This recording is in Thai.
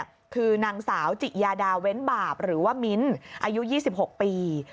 คือนางสาวจิยาดาเว้นบาปหรือว่ามิ้นอายุ๒๖ปี